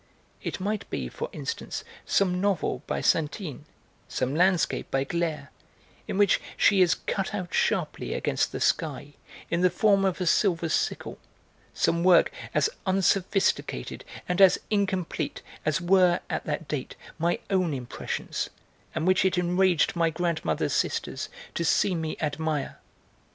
It might be, for instance, some novel by Saintine, some landscape by Gleyre, in which she is cut out sharply against the sky, in the form of a silver sickle, some work as unsophisticated and as incomplete as were, at that date, my own impressions, and which it enraged my grandmother's sisters to see me admire.